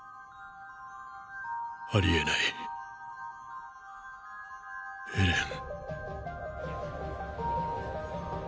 ありえないエレン！